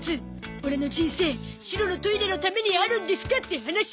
オラの人生シロのトイレのためにあるんですかって話。